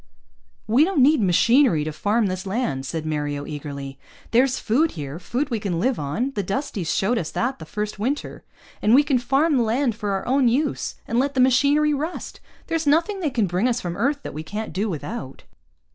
"We don't need machinery to farm this land," said Mario eagerly. "There's food here, food we can live on; the Dusties showed us that the first winter. And we can farm the land for our own use and let the machinery rust. There's nothing they can bring us from Earth that we can't do without."